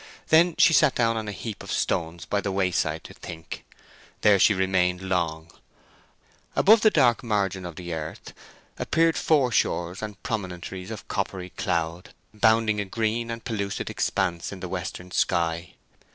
Then she sat down on a heap of stones by the wayside to think. There she remained long. Above the dark margin of the earth appeared foreshores and promontories of coppery cloud, bounding a green and pellucid expanse in the western sky.